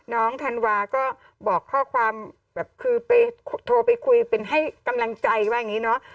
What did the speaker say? ธันวาก็บอกข้อความแบบคือไปโทรไปคุยเป็นให้กำลังใจว่าอย่างนี้เนอะ